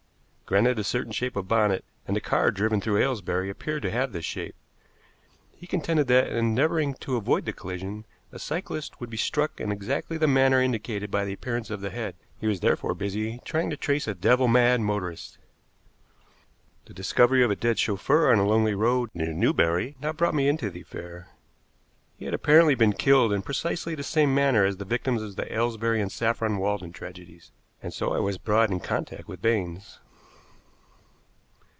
Granted a certain shape of bonnet and the car driven through Aylesbury appeared to have this shape he contended that, in endeavoring to avoid the collision, a cyclist would be struck in exactly the manner indicated by the appearance of the head. He was therefore busy trying to trace a devil mad motorist. The discovery of a dead chauffeur on a lonely road near Newbury now brought me into the affair. He had apparently been killed in precisely the same manner as the victims of the Aylesbury and Saffron Walden tragedies; and so I was brought in contact with Baines.